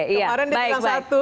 kemarin dia bilang satu